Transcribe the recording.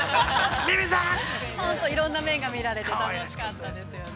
◆本当いろんな面が見られて、楽しかったですよね。